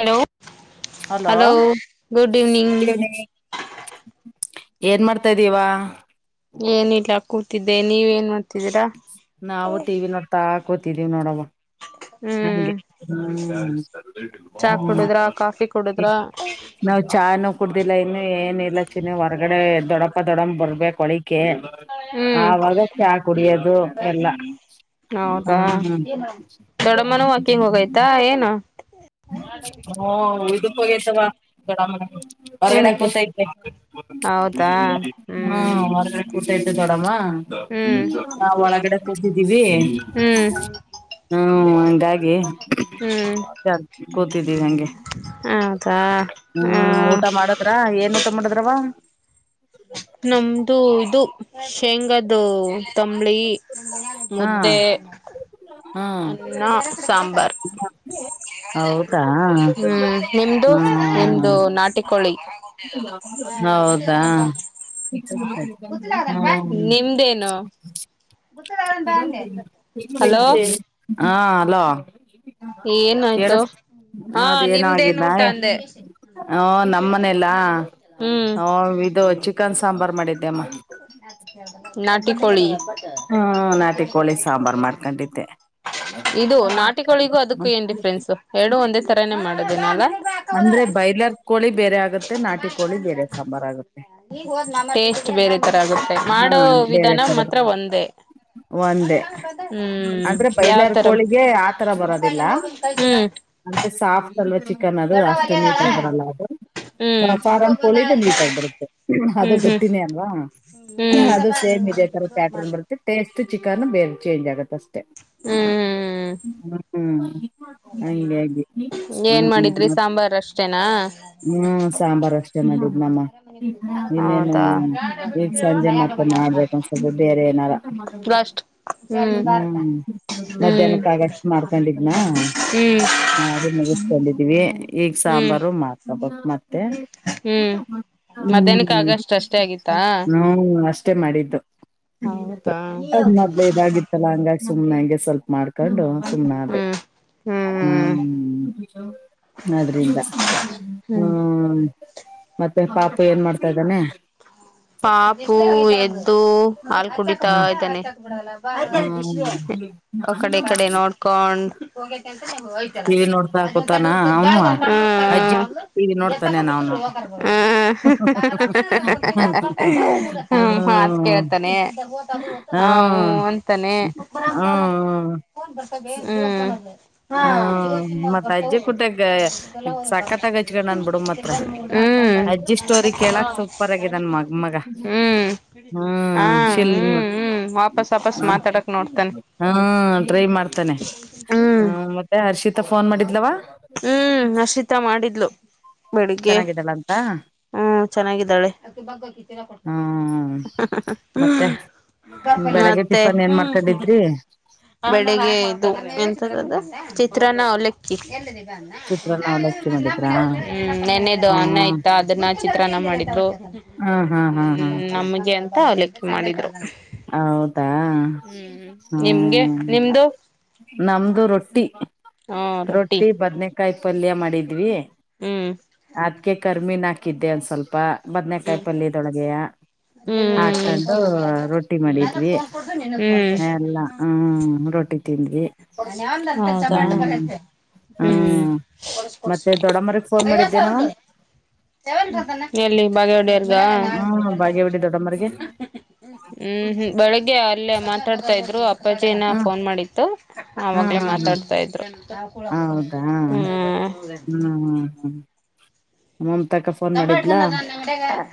Hello hello good evening ಗುಡ [unintelligible] [unintelligible] ಏನ್ ಮಾಡ್ತಾ್ದೀಿವ ಏನಿಲ್ಲ ಕೂತಿದ್ದೆ ನೀವ ಏನ್ ಮಾಡ ನಾವು ಟಿ ವಿ ನೋಡ್ತಾ ಕೂತಿದೀವಿ ನೋಡವ. ಹ್ಮ್ ಹ್ಮ. ಚಾ [unintelligible] ಕುಡುದ್ರ ಕಾಫಿ ಕುಡುದ್ರ ನಾವ್ ಚಾ ನೂ ಕುಡ್ದಿಲ್ಲ ಇನ್ನು ಏನ್ ಇಲ್ಲ ಚಿನ ಹೊರ್ಗಡೆ ದೊಡ್ಡಪ್ಪ ದೊಡಮ್ಮ ಬರ್ಬೇಕ್ ಹೊಳಿಗ್ ಹ್ಹ್ ಹ್ಮ್ ಆವಾಗ ಚಾ ಕುಡಿಯೋದು ಎಲ್ಲಾ. ಹ್ಮ. ಮನು ವಾಕಿಂಗ ಹೋಗೈತ ಏನು. [unintelligible] ಹೊರ್ಗಡೆ ಏನಕ್ಕೆ ಕುತೈತೆ ಹೌದಾ ಹೂ ಹ್ಮ್ ಹೊರಗಡೆ. ದೊಡ್ಡಮ್ಮ ಹ್ಮ್ ನಾವು ಹೊರಗಡೆ ಕೂತಿದೀವಿ. ಹ್ಮ್ ಹ್ಮ ಹಂಗಾಗಿ ಹ್ಮ್ ಕೂತಿದ್ದೀವಿ ಹಂಗೆ. ಹೌದಾ ಹ ಹ್ಮ್ ಊಟ ಮಾಡದ್ರ ಏನ್ ಊಟ ಮಾಡದ್ರವ. ನಮ್ದು ಇದು ಶೇಂಗ್ದ ತಂಬಳಿ. ಹಾ ಮುದ್ದೆ ಅನ್ನ ಸಾಂಬಾರ್ ಹೌದ ದ ಹ್ಮ್ ನಿಮ್ದು ಹ್ಮ. ನಿಮ್ದು ನಾಟಿಕೋಳಿ ಹೌದಾ. ಹ್ಮ. ನಿಮ್ದೇನು ಹಲೋ ಹಾ ಹಲೋ. ಏನಾಯ್ತು. ಹಾ ಅದು ನಿಮ್ದೇನ್ ಏನಾಗಿದ ಊಟ ಅಂದೆ [unintelligible] ಹ ನಮ್ಮನ್ನೇಲ್ಲಾ ಹ್ಮ್ ಹ ಇದು ಚಿಕನ್ ಸಾಂಬಾರ್ ಮಾಡಿದ್ದೆಮ್ಮ. ನಾಟಿಕೋಳಿ. ಹ್ಮ್ ನಾಟಿ ಕೋಳಿ ಸಾಂಬಾರ್ ಮಾಡ್ಕೊಂಡಿದ್ದೆ ಇದು ನಾಟಿಕೊಳಿಗೂ ಅದಕ್ಕೂ ಏನ್ ಡಿಫ್ರೆನ್ಸ್ ಎರಡು ಒಂದೇ ತರಾನೇ ಮಾಡೋದು ನಲ. ಅಂದ್ರೆ ಬೈಲರ್ ಕೋಳಿ ಬೇರೆ ಆಗತ್ತೆ ನಾಟಿ ಕೋಳಿ ಬೇರೆ ಸಾಂಬಾರ್ ಆಗುತ್ತೆ. ಟೇಸ್ಟ್ ಬೇರೆ ತರ ಆಗುತ್ತೆ ಹಾ ಮಾಡೋ ಬೇರೆ ವಿಧಾನ ತರದ ಮಾತ್ರ ಒಂದೇ. ಒಂದೇ. ಹ್ಮ್ ಅಂದ್ರೆ ಯಾವ ಬೈಲರ್ ತರ ಹ್ಮ್ ಕೋಳಿಗೆ ಆತರ ಬರದಿಲ್ಲ ಅಂದ್ರೆ ಸಾಫ್ ಚಿಕನ್ ಅದು ಅಷ್ಟು ನೀಟಾಗಿ ಬರಲ್ಲ ಅದು. ಹ್ಮ್ ಫಾರಂ ಕೊಳಿದು ನೀಟಾಗಿ ಬರುತ್ತೆ ಅದು ಹ್ಮ್ ಹ್ಮ್ ಹ್ಮ್ ಗಟ್ಟಿನೇ ಅಲ್ವಾ. ಅದು ಸೇಮ್ ಇದೇ ತರ ಪ್ಯಾಟ್ರನ್ ಬರುತ್ತೆ ಟೇಸ್ಟ್ ಚಿಕನ್ ಬೇರೆ ಚೇಂಜ್ ಆಗುತ್ತ. ಹ್ಮ್ ಹ್ಮ ಹ್ಮ್ ಹಾಗೆ ಹಾಗೆ ಏನ್ ಹ್ಮ. ಹ್ಮ್ ಮಾಡಿದ್ರಿ ಸಾಂಬಾರ್ ಅಷ್ಟೇನಾ ಹ್ಮ್ ಸಾಂಬಾರ ಅಷ್ಟ. ನಮ್ಮ ಇನ್ನೇನು ಹೌದಾ ಈಗ ಸಂಜೆ ಮತ್ತೆ ಮಾಡ್ಬೇಕನ ಸ್ವಲ್ಪ ಬೇರೆ ಏನಾರ. ಲಾಸ್ಟ್ ಹ್ಮ್ ಹ್ಮ್ ಮಧ್ಯಾಹ್ನಕ್ಕಾಗಷ್ಟ ಮಾಡ್ಕೊಂಡಿದ್ನ. ಹ್ಮ್ ಮಾಡಿ ಮುಗಿಸಕೊಂಡಿದೀವಿ ಈಗ ಹ್ಮ್ ಸಾಂಬಾರು ಮಾಡ್ಕಬೇಕು ಮತ್ ಹ್ಹ್ ಹ್ಮ್ ಹ್ಮ ಮಧ್ಯಾಹ್ನಕ್ಕೆ ಹ ಆಗಷ್ಟು ಅಷ್ಟೇ ಆಗಿತ್ತಾ ಅಷ್ಟ. ಅಷ್ಟೆ ಮಾಡಿದ್ದು ಹೌದಾ ಅದ ಮೊದ್ಲ ಇದಾಗಿತ್ತಲ್ಲ ಹಂಗಾಗಿ ಸುಮ್ನೆ ಅಂಗೆ ಸ್ವಲ್ಪ ಮಾಡ್. ಮಾಡ್ಕೊಂಡು ಸುಮ್ನೆ ಅದೆ ಹ್ಮ್ ಹ್ಮ್ ಹ್ಮ. ಅದ್ರಿಂದ ಹ್ಮ ಹ್ಮ್ ಮತ್ತೆ ಪಾಪು ಏನ್ ಮಾಡ್ತಾ ಇದ್ದಾನೆ. ಪಾಪು ಎದ್ದು ಹಾಲ್ ಕುಡಿತಾ ಹ್ಮ್ ಇದ್ದಾನೆ ಹ್ಮ್ ಆಕಡೆ ಈಕಡೆ ನೋಡ್ಕೊಂಡ್ ಟಿ ವಿ ನೋಡ್ತಾ ಕೂತಾನ ಅವ್ನು ಅಜ್ಜ ಹ್ಮ್ ಟಿ ವಿ ನೋಡ್ತಾನೆನ್ ಅವ್ನು ಹ್ಮ ಹ ಹ್ಮ ಹ್ಮ್ ಮಾತ್ ಕೇಳ್ತಾನೆ ಹ್ಮ. ಹ ಹೂ ಹ್ಮ ಹ ಹ್ಹ್. ಹಾ ಮತ್ ಹೂ. ಅಜ್ಜಿ ಕುಟ್ಟಾಗ ಸಖತ್ತಾಗ ಹಚ್ಕೊಂಡ್ ನನ್ ಬಿಡು ಮಾತ್ರ ಹ್ಮ್ ಮಗಾ ಹ ಹ್ಹ್ ಹ್ಮ್ ಶಿಲ್ಲ ಹ್ಮ್ ವಾಪಸ್ ವಾಪಸ್ ಹ್ಮ ಮಾತಾಡಕ್ ನೋಡ್ತಾನೆ ಟ್ರೈ ಮಾಡ್ತಾನೆ ಹ್ಮ್ ಹ್ಮ ಮತ್ತೆ ಹರ್ಷಿತ ಫೋನ್ ಮಾಡಿದ್ಲವಾ ಹ್ಮ್ ಹರ್ಷಿತಾ ಮಾಡಿದ್ಲು ಬೆಳಿಗ್ಗೆ ಹ್ಮ ಚೆನ್ನಾಗಿದ್ದಾಳೆ ಹ್ಮ ಹ್ಮ್ ಮತ್ತೆ ಬೆಳಗ್ಗೆ ಮತ್ತೆ ಟಿಫನ್ ಏನ್ ಮಾಡ್ಕೊಂಡಿದ್ರಿ ಬೆಳಿಗ್ಗೆ ಇದು ಎ ಚಿತ್ರ ನ ಅವಲೆಕ್ಕಿ ಹ್ಮ್ ಚಿತ್ರಾನ್ನ ಅವಲಕ್ಕಿ ಮಾಡಿದ್ರಾ ನೆನ್ನೆದು ಹ ಅನ್ನ ಇತ್ತ ಅದನ್ನ ಚಿತ್ರಾನ್ನ ಮಾಡಿದ್ರು ಹಾ ಹಾ ಹಾ ಹಾ ಹ್ಮ್ ನಮ್ಗೆ ಅಂತ ಅವಲೆಕ್ಕಿ ಮಾಡಿದ್ರು ಹೌದಾ ಹ್ಮ್ ಹ್ಮ ನಿಮ್ಗೆ ನಿಮ್ದು ನಮ್ದು ರೊಟ್ಟಿ ರೊಟ್ಟಿ ಬದ್ನೇಕಾಯಿ ಪಲ್ಯ ಮಾಡಿದ್ವಿ ಹ್ಮ್ ಅದಕ ಕರ್ಮಿನಾಕಿದ್ದೆ ಒಂದ ಸ್ವಲ್ಪ ಬದ್ನೆೇಕಾಯಿ ಹ್ಮ್ ಪಲ್ಯದೊಳಗೆಯ ಹ್ಮ್ ಹಾಕೊಂಡು ಹ್ಮ್ ರೊಟ್ಟಿ ಮಾಡಿದ್ವಿ ಎಲ್ಲ ಹ್ಮ್ ರೊಟ್ಟಿ ತಿಂದ್ವಿ ನ್ಞನ್ ನ ಮಾಡ್ಣ ಹ್ಮ್ ಕ ಹ್ಮ್ ಕೊಸ ಕೊಸ ಮತ್ತೆ ದೊಡ್ಡಮ್ಮಗ್ ಫೋನ್ ಮಾಡಿದ್ದೇನವ ಸಾರ ಎಲ್ಲಿ ಬಾಗೇಹಡೆಯರ್ಗ ಹ್ಮ್ ಬಾಗೇವಾಡಿ ದೊಡ್ಡಮ್ಮರಿಗೆ ಹ್ಮ್ ಬೆಳಿಗ್ಗೆ ಅಲ್ಲೇ ಮಾತಾಡ್ತಾ ಇದ್ರು ಅ ಅಪ್ಪಾಜನ ಹ ಫೋನ್ ಮಾಡಿತ್ತು ಹಾ ಆವಾಗಲೇ ಹಾ ಹಾ ಮಾತಾಡ್ತಾ ಇದ್ರು ಕ ಹೌದಾ ಹ್ಮ್ ಹ್ಮ್ ಹ್ಮ್ ಹ್ಮ್ ಅಮ್ಮ ತಕ ಫೋನ್ ಮಾಡಿದ್ಲಾ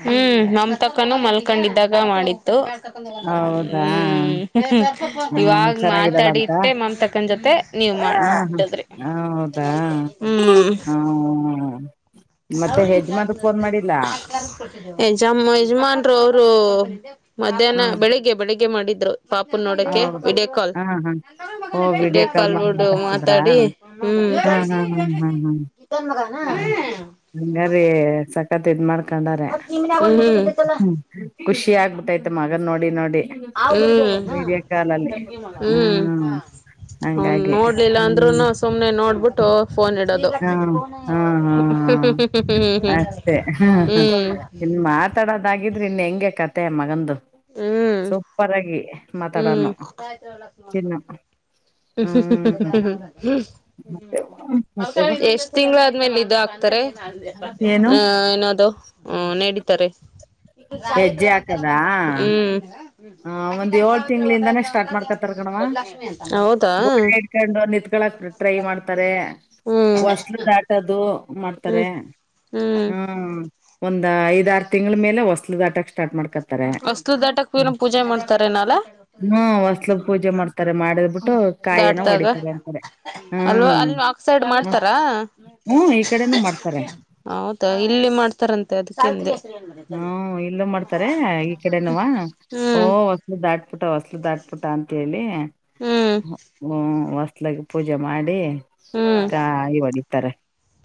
ಹ್ಮ್ ನಮ್ ತಕ್ಕನೂ ಮಲ್ಕೊಂಡಿದ್ದಾಗ ಮಾಡಿತ್ತು ಹೌದಾ ಹ್ಮ್ ಹ್ಮ ಇವಾಗ್ ಚೆನ್ನಾಗಿದ್ದಾಳ ಮಾತಾಡಿ ಅಂತ ಇಟ್ಟೆ ಮಮ್ತಕ್ಕನ್ ಜೊತೆ ನೀವ್ ಮಾಡಿ ಹ್ಮ ಜಮ್ಮ ಜಮನ್ ಅವರು ಮಧ್ಯಾಹ್ನ ಹ್ಮ್ ಬೆಳಿಗ್ಗೆ ಬೆಳಿಗ್ಗೆ ಮಾಡಿದ್ರು ಪಾಪು ನೋಡಕ ಹೌದು ವಡಿಯೋ ಕಾಲ್ ಹಾ ಹಾ ಓ ವಿಡಿಯೋ ವಡಿಯೋ ಕಾಲ್ ಬಿಡು ಮಾತಾಡಿ ಹ್ಮ ಹಾ ಹಾ ಹಾ ಹಾ ಹ್ಮ ಇನ್ ಬಗ ನ ಹಂಗಾರೀ ಸಕತ್ ಇದ್ ಮಾಡ್ಕೊಂಡಾರೆ ಖುಷಿ ಆಗ್ಬುತೈಐತೆ ಮಗನ್ ನೋಡಿ ನೋಡಿ ಹ್ಮ್ ಮಡಿಯ ಕಾಲಲ್ಲಿ ಹ್ಮ್ ಅವನ್ ಹಂಗಾಗಿ ನೋಡ್ಲಿಲ್ಲ ಹ್ಮ್ ಅಂದ್ರುನು ಸುಮ್ನೆ ನೋಡ್ಬಿಟ್ಟು ಫೋನ್ ಇಡೋದು ಹಾ ಹಾ ಹಾ ಅಷ್ಟೆ ಹ ಹ್ಮ್ ಇನ್ ಮಾತಾಡೋದಾಗಿದ್ರೆ ಇನ್ ಹೆಂಗೆ ಕತೆೆ ಮಗಂದು ಹ್ಮ್ ಸೂಪರ್ ಆಗಿ ಮಾತಾಡೋನು ಹ್ಮ್ ಚಿನ್ನು ಹ್ಮ್ ಮತ್ತೆ ಹ ಮತ್ತೆವ ಎಷ್ಟ ತಿಂಗಳಾದ್ಮೇಲೆ ಇದು ಹಾಕ್ತಾರೆ ಏನು ಏ ಹ ನಡ ಹೆಜ್ಜೆ ಹಾಕದಾ ಹ್ಮ ಹ ಒಂದ್ ಏಳ್ ತಿಂಗ್ಗಳಿಂದಾನೇ ಸ್ಟಾರ್ಟ್ ಮಾಡ್ಕತ್ತರ್ ಗಣವ ಹೌದಾ ಗೋಳ ಇಡ್ಕೊಂಡು ನಿತ್ಕೊಂಡು ಟ್ರೈ ಮಾಡ್ತಾರೆ ಹ್ಮ್ ಹೊಸ್ಲು ದಾಟದು ಹ್ಮ್ ಮಾಡ್ತಾರೆ ಹ್ಮ್ ಹ್ಮ ಒಂದ ಐದ ಆರು ತಿಂಗಳ ಮೇಲೆ ಹೊಸಲು ದಾಟಕ್ ಸ್ಟಾರ್ಟ್ ಮಾಡ್ಕತಾರೆ [inaudible] ಅಸ್ಲು ದಾಟಕ್ ಏನೋ ಪೂಜೆ ಮಾಡ್ತಾರೆನಲ್ಲ ಹ್ಮ ಹೊಸಲಬ್ ಪೂಜೆ ಮಾಡ್ತಾರೆ ಮಾಡಿದ್ ಬಿಿಟ್ಟು ಕಾಯ ಹೊಡ ದಾಟ್ದಾಗ ಅರೆ ಅಲ್ವಾ ಅಲ್ಲಿ ಆ ಸೈಡ್ ಮಾಡ್ತಾರಾ ಹ್ಮ್ಮ ಈ ಮಾಡ್ತಾರೆ ಹೌದಾ ಇಲ್ಲಿ ಮಾಡ್ತಾರಂತೆ ಅದಕ್ಕೆ ಅಂದೆ [inaudible] ಹಾ ಇಲ್ಲ ಮಾಡ್ತಾರೆ ಈ ಕಡೆನುವಾ ಹ್ಮ್ ಓಹ ಹೊಸಲು ದಾಟಪಿಟ ಹೊಸಲು ದಾಟ್ಪಿಟ ಅಂತ ಹೇಳಿ ಹ್ಮ್ ಹ ಹೊಸ್ ಮತ್ಲ ಪೂಜೆ ಮಾಡಿ ಹ್ಮ್ ಇ ಹೊಡತಾರೆ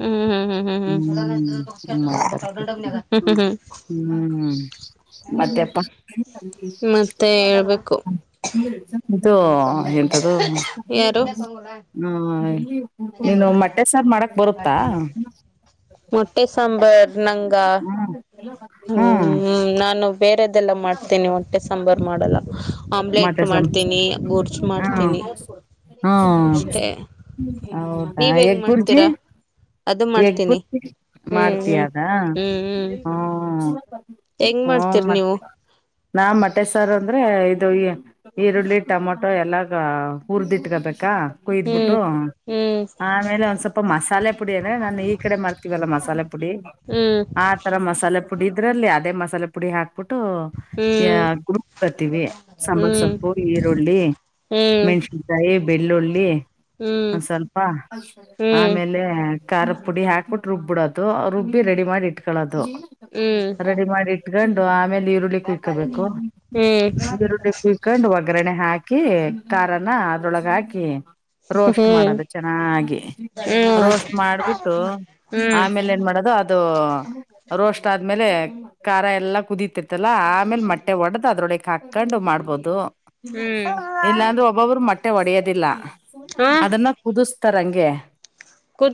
ಹ್ಮ್ ಹ್ಮ ಹ್ಮ್ ಹ್ಮ್ ಹಂಗ್ ಮಾಡ್ತಾರೆ ಪೂಜೆ ಹ್ಮ ಹ್ಮ್ ಹ್ಮ ಹ್ಮ ಹ್ಮ್ ಮತ್ತೆಪ್ಪ ಮ ಹೇಳ್ಬೇಕು [unintelligible] ಎಂತ್ದು ಯಾರು ಹ್ಮ ನೀನು ಮೊಟ್ಟೆ ಸಾರ್ ಮಾಡಕ್ ಬರುತ್ತಾ ಮೊಟ್ಟೆ ಸಾಂಬಾರ್ ನಂಗ ಹ್ಮ್ ಹ್ಮ ನಾನು ಬೇರೆ ಇದೆಲ್ಲ ಮಾಡ್ತೇನೆ ಹೊಟ್ಟೆ ಸಾಂಬಾರಾರ್ ಮಾಡಲ್ಲ ಆಮ್ಲೆಟ್ ಮೊಟ್ಟೆ ಸಾರ್ ಮಾಡ್ತೀನಿ ಗೋರ್ಜು ಮಾಡ್ತೀನಿ ಹಾ ಅಷ್ಟೇ ಹೌದಾ ನೀವ್ ಹೆಂಗ್ ಎಗ್ ಬುರ್ಜಿ ಮಾಡ್ತೀರಾ ಅದು ಮಾಡ್ತೀನಿ ಹೆಬ್ಬುರ್ಜಿ ಹ್ಮ್ ಹ್ಮ್ ಮಾಡ್ತಯದ ಹ್ಮ್ ಹ್ಮ್ ಹ್ಮ ಹೆಂಗ್ ಹ್ಮ ಮಾಡ್ತೀರಿ ಮ ನೀವು ನಾ ಮಠೇಶ ಸರ್ ಅಂದ್ರೆ ಇದು ಈರುಳ್ಳಿ ಟೊಮೊಟೊ ಎಲ್ಲ ಹುರ್ದಿಟ್ಕಬೇಕಾ ಕುಯ್ದ್ಬಿಟ್ಟು ಹ್ಮ್ ಹ್ಮ್ ಆಮೇಲೆ ಒಂದ್ ಸ್ವಲ್ಪ ಮಸಾಲೆ ಪುಡಿ ಅನೆ ನಾನ್ ಈ ಕಡೆ ಮಾಡ್ತೀವಲ್ಲ ಮಸಾಲೆ ಪುಡಿ ಹ್ಮ್ ಆ ತರ ಮಸಾಲೆ ಪುಡಿ ಅದ್ರಲ್ಲಿ ಅದೇ ಮಸಾಲೆ ಪುಡಿ ಹಾಕ್ಬಿಟ್ಟು ಹ್ಮ್ ಹ್ಮ್ ಗುಡ್ಬತೀವಿ ಸಾಂಬಾರ ಹ್ಮ್ ಸೊಪ್ಪು ಈರುಳ್ಳಿ ಮೆಣಸಿನ್ಕಾಯಿ ಬೆಳ್ಳುಳ್ಳಿ ಹ್ಮ್ ಹ್ಮ್ ಸ್ವಲ್ಪ ಹ್ಮ್ ಆಮೇಲೆ ಖಾರ ಪುಡಿ ಹಾಕ್ಬಿು ರುಬ್ಬಿಡೋದು ರುಬ್ಬ ರೆಡಿ ಮಾಡಿ ಇಟ್ಕೊಳ್ಳೋದು ಹ್ಮ್ ರೆಡಿ ಮಾಡಿ ಇಟ್ಕೊಂಡು ಆಮೇಲೆ ಈರುಳ್ಳಿ ಕುಯಕಬೇಕು ಹ್ಮ್ ಈರುಳ್ಳಿ ಕುಳ್ಕೊಂಡು ಒಗ್ಗರಣೆ ಹಾಕಿ ಖಾರನ ಅದೊಳಗ ಹಾಕಿ ರೋಸ್ಟ್ ಮಾಡೋದು ಚೆನ್ನಾಗಿ ಹ್ಮ್ ರೋಸ್ಟ್ ಮಾಡ್ಬಿಟ್ಟು ಹ್ಮ್ ಆಮೇಲೆ ಏನ್ ಮಾಡೋದು ಅ ಅದು ರೋಸ್ಟ್ ಆದ್ಮೇಲೆ ಖಾರ ಎಲ್ಲಾ ಕುದೀತಿರ್ತಲ್ಲಾ ಆಮೇಲೆ ಮೊಟ್ಟೆ ಒಡ್ದ್ ಅದ್ರೊಳಗೆ ಹಾಕೊಂಡು ಮಾಡ ಹ್ಮ್ ಇಲ್ಲಾಂದ್ರೆ ಒಬ್ಬೊರು ಮಟ್ಟೆ ಒಡೆಯದಿಲ್ಲ ಅದನ್ನ ಕುದ ತರಂಗೆ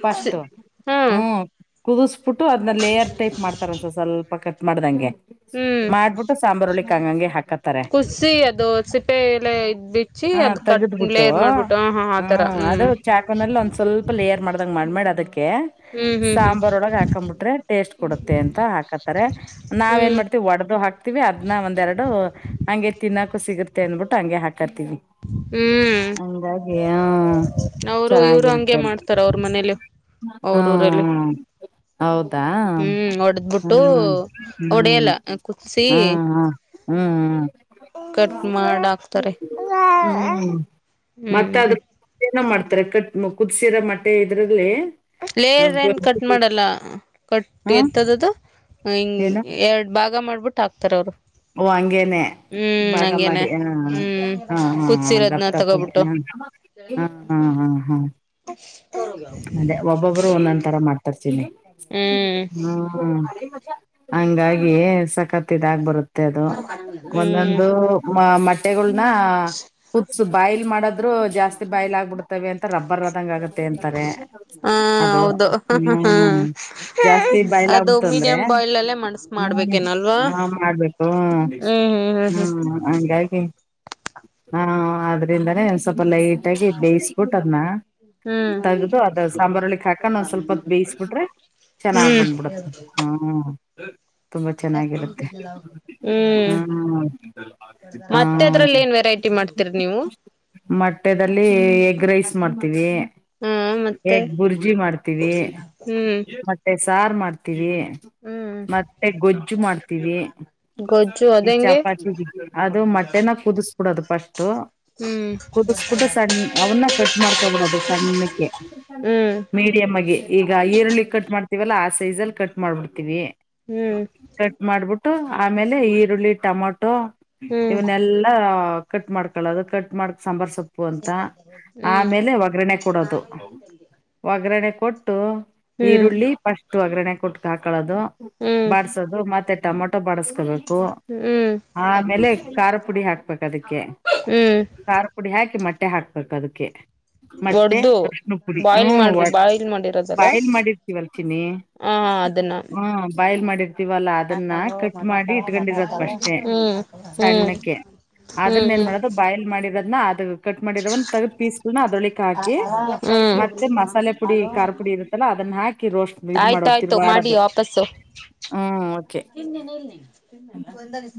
ಫಸ್ಟ್ ಹ್ಮ್ ಕುದಿಸ್ಬಿಟ್ಟು ಅದ್ ಲೇಯರ್ ಟೈಪ್ ಮಾಡ್ತಾರ ಒಂದಸ ಸ್ವಲ್ಪ ಕಟ್ ಮಾಡ್ದಂಗೆ ಹ್ಮ್ ಮಾಡ್ಬಿಟ್ಟು ಸಾಂಬಾರಳ್ಳಿ ಕಂಗಂಗೆ ಹಾಕತ್ತಾರ ಕುಸಿ ಅದು ಸಿಪ್ಪೆ ಎಲೆ ಇದ್ ಬಿಚ್ಚಿ [inaudible] ಹಾ ಅದ್ ಕಟ್ ತಗದಬಿಟ್ಟು ಲೇಯರ್ ಮಾಡ್ಬಿಟ್ಟು ಹ ಹಾ ಹ್ಮ ಆತರ ಅದು ಹ್ಮ್ ಚಾಕನಲ್ಲಿ ಒಂದ್ ಸ್ವಲ್ಪ ಲೇರ್ ಮಾಡ್ದಂಗ ಮಾಡಿ ಅದಕ್ಕೆ ಹ್ಮ್ ಹ್ಮ್ ಹ್ಮ್ ಸಾಂಬಾರ್ ಒಳಗ ಹಾಕ್ ಬಿಟ್ರೆ ಟೇಸ್ಟ್ ಕೊಡುತ್ತೆ ಅಂತ ಹಾಕತ್ತಾರೆ ನಾವ್ ಏನ್ ಹ್ಮ್ ಮಾಡ್ತವಿ ಒಡೆದು ಹಾಕ್ತಿವಿ ಅದನ್ನ ಒಂದ್ೆರಡು ಹಂಗೆ ತಿನ್ನಕು ಸಿಗುತ್ತೆ ಅಂದ್ಬಿಟ್ಟು ಹಂಗೆ ಹಾಕ್ ಕತೀವಿ ಹ್ಮ್ ಅಗೆ ಅವರು ಇವ್ರು ಹಂಗೆ ಮಾಡ್ತಾರ ಅವ್ರ ಮನೇಲಿ ಹ್ಮ ಅವ್ರ ಊರಲ್ಲಿ ಹೌದು ತ್ತಾ ಹ್ಮ್ ಹೊಡದ್ಬಿಟ್ಟು ಹ್ಮ್ ಹ್ಮ್ ಒಡೆಯಲ್ಲ ಹ್ಮ್ ಕುದಸಿ ಹ್ಮ ಹ್ಮ್ ಹ್ಮ್ ಕಟ್ ಮಾಡ ಹಾಕ್ತಾರೆ ಹ್ಮ್ ಮತ್ತೆ ಅದ್ರ ಹ್ಮ್ ಏನ ಮಾಡ್ತಾರೆ ಕಟ್ಟ ಕುದಿಸಿಿರೋ ಮಟ್ಟೆ ಇದ್ರಲ್ಲಿ ಲೇರ್ ಏನ್ ಕಟ್ ಮಾಡಲ್ಲ ಕಟ್ ಹಾ ಎಂತದ್ದು ಹಿಂಗ ಏನು ಎರಡ್ ಭಾಗ ಮಾಡ್ಬಿಟ್ಟು ಹಾಕ್ತಾರ ಅವರು ಓ ಅಂಗೇನೆ ಹ್ಮ್ ಭಾಗ ಹಂಗೇನೆ ಮಾಡಿ ಹಾ ಹ್ಮ್ ಹ ಹಾ ಕುದಸಿರೋದ್ನ ದಪ್ಪ ದಪ್ಪಾಗಿ ಹ ತಗೋಬಿಟ್ಟು ಹ ಹಾ ಹಾ ಹಾ ಅದೇ ಹ ಒಬ್ಬೊಬ್ರು ಒಂದೊಂದ ತರ ಮಾಡ್ತರ್ತೀನಿ ಹ್ಮ್ ಹ್ಮ ಹಂಗಾಗಿ ಸಕತ್ತಿದ ಆಗ್ ಬರುತ್ತೆ ಮತ್ತೆ ಅದು ಹ್ಮ್ ಒಂದೊಂದು ಮ ಮೊಟ್ಟೆಗಳನ ಹತ್ಸು ಬಾಯ್ಲ್ ಮಾಡದ್ರು ಜಾಸ್ತಿ ಬಾಯ್ಲ್ ಆಗ್ಬಿಡ್ತವೆ ಅಂತ ರಬ್ಬರ್ ಅದಂಗ ಆಗತ್ತೆ ಅಂತ ಹಾ ಅ ಹೌದು ಹ ಹ ಜಾಸ್ತಿ ಬಾಯ್ಲ್ ಅದು ಆಗ್ಬಿಡ್ತು ಮೀಡಿಯಂ ಅಂದ್ರೆ ಬಾಯ್ಲ್ ಅಲ್ಲೇ ಮಾಡಬೇಕು ಅಲ್ವಾ ಹ್ಮ ಹ್ಮ್ ಹಾಗಂಗಾಗಿ ಹಾ ಆದ್ರಿಂದಾನೇ ಸ್ವಲ್ಪ ಲೈಟ್ ಆಗಿ ಬೇಯಿಸ್ ಬಿಟ್ಟ ಅದ್ನ ಹ್ಮ್ ತಗ್ದು ಅದ ಸಾಂಬಾರ್ ಒಳಿಕ್ಕ್ ಹಾಕಂಡ್ ಹ್ಮ್ ಸ್ವಲ್ಪ ಹೊತ್ತ್ ಬೇಯ್ಸ್ ಬಿಟ್ರೆ ಹ್ಮ್ ಚೆನ್ನಾಗ್ ಹ್ಮ್ ಬಂದ್ಬಿಡತ್ತೆ ಹ್ಮ್ ತುಂಬಾ ಚೆನ್ನಾಗಿರುತ್ತೆ ಹ್ಮ್ ಮತ್ತೆ ಹ್ಮ್ ಅದ್ರಲ್ಲಿ ನ್ ವೆರೈಟಿ ಮಾಡ್ತೀರಿ ನೀವು ಮದ್ಯದಲ್ಲಿ ಎಗ್ ರೈಸ್ ಮಾಡ್ತೀವಿ ಹ್ಮ ಮತ್ತೆ ಹೆಗ್ ಬುರ್ಜಿ ಮಾಡ್ತೀವಿ ಹ್ಮ್ ಮತ್ತೆ ಸಾರು ಮಾಡ್ತೀವಿ ಹ್ಮ್ ಮತ್ತೆ ಗೊಜ್ಜು ಮಾಡ್ತೀವಿ ಗೊಜ್ಜು ಈ ಅದೆಂಗೆ ಚಪಾತಿ ಅದು ಮ ಕುದಿಸ್ಬಿಡೋದು ಫಸ್ಟ್ ಹ್ಮ್ ಕುದಿಸಬಿಟ್ಟು ಸಣ್ಣ ಅವನ್ನ ಕಟ್ ಮಾಡ್ಕಬಿಡೋದು ಸಣ್ಣ ಹ್ಮ್ ಮೀಡಿಯಮ್ ಆಗಿ ಈಗ ಈರುಳ್ಳಿ ಕಟ್ ಮಾಡ್ತ ಲ್ಲ ಆ ಸೈಜ ಅಲ್ಲಿ ಕಟ್ ಮಾಡ್ಬಿಡ್ತೀವಿ ಹ್ಮ್ ಕಟ್ ಮಾಡ್ಬಿ ಆಮೇಲೆ ಈರುಳ್ಳಿ ಟೊಮೊಟೊ ಹ್ಮ್ ಇವನ್ನಲ್ಲಾ ಕಟ್ ಮಾಡ್ಕೊಳ್ಳೋದು ಕಟ್ ಮಾಡ್ಕ್ ಸಾಂಬಾರ್ ಸೊಪ್ಪು ಅಂತ ಹ್ಮ್ ಆಮೇಲೆ ಒಗ್ಗರಣೆ ಕೊಡೋದು ಒಗ್ಗರಣೆ ಕೊಟ್ಟು ಹ್ಮ್ ಈರುಳ್ಳಿ ಫಸ್ಟ್ ಒಗ್ಗರಣೆ ಕೊಟ್ಟ ಹಾಕ ಹಳೋದು ಹ್ಮ್ ಬಾಡಸೋದು ಮತ್ತೆ ಟೊಮೊಟೊ ಬಾಡಸ್ಕೊಬೇಕು ಹ್ಮ್ ಆಮೇಲೆ ಖಾರ ಪುಡಿ ಹಾಕ್ ಅದಕ್ಕೆ ಹ್ಮ್ ಖಾರ ಪುಡಿ ಹಾಕಿ ಮೊಟ್ಟೆ ಹಾಕ್ಬೇಕ ಅದಕ್ಕೆ ಮೊಟ್ಟೆ ಒಡ್ದು ಅರ್ಷ್ಣ ಪುಡಿ ಹ ಬಾಯ್ಲ್ ಮಾಡ್ಬಿ ಬಾಯ್ಲ್ ಮಾಡಿರೋದಲ್ಲ ಬಾಯ್ಲ್ ಮಾಡಿರ್ತೀವ ಅಲ್ಚಿನಿ ಹ ಅದನ್ನ ಹ್ಮ ಬಾಯಲ್ ಮಾಡ ತವಲ್ಲ ಅದನ್ನ ಕಟ್ ಮಾಡಿ ಇಟ್ಕೊಂಡಿರೋದ ಅಷ್ಟೇ ಹ್ಮ್ ಹ್ಮ್ ಸಣ್ಣಕ್ಕೆ ಹ್ಮ್ ಅದನ್ನ ಹ್ಮ್ ಏನ್ ಮಾಡೋದು ಬಾಯ್ಲ್ ಮಾಡಿರೋದನ ಅದ ಕಟ್ ಮಾಡಿರೋ ಒ ತಗ ಪೀಸ್ಗಳನ ಅದ್ರೊಳಿಕ್ ಹಾಕಿ ಹ್ಮ್ ಮತ್ತೆ ಮಸಾಲೆ ಪುಡಿ ಖಾರ ಪುಡಿ ಇರುತ್ತಲ್ಲ ಅದನ್ನ ಹಾಕಿ ರೋಸ್ಟ್ ಇದ್ ಮಾಡುವ ತಿರ್ವಾಡದು ತಿನ್ನೇನೆ ಇಲ್